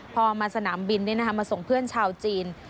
พอมาสนามบินมาส่งเพื่อนชาวจีน